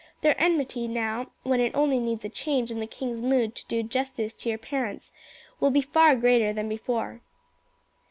Their enmity now, when it only needs a change in the king's mood to do justice to your parents, will be far greater than before.